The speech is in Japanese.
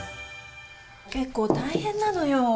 結構大変なのよ。